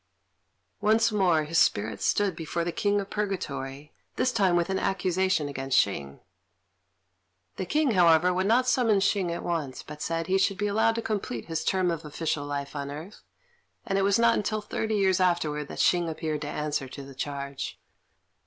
Once more his spirit stood before the King of Purgatory, this time with an accusation against Hsing. The King, however, would not summon Hsing at once, but said he should be allowed to complete his term of official life on earth; and it was not till thirty years afterwards that Hsing appeared to answer to the charge.